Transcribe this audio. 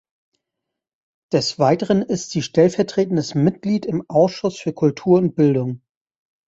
Des Weiteren ist sie stellvertretendes Mitglied im Ausschuss für Kultur und Bildung.